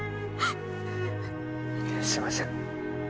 すいません